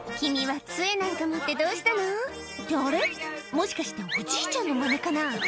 もしかしておじいちゃんのマネかな？